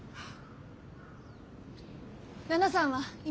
奈々さんは今。